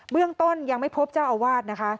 เรื่องต้นยังไม่พบเจ้าอาวาสนะคะ